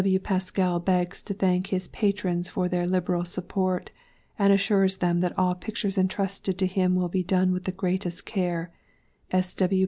S. W. PASKELL begs to thank his Patrons for their liberal support, and assures them that all Pictures entrusted to him will be done with the greatest care, S.